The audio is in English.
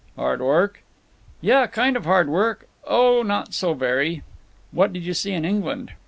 "Hard work?" "Yuh—kind of hard. Oh, not so very." "What did you see in England?"